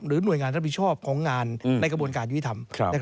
หน่วยงานรับผิดชอบของงานในกระบวนการยุติธรรม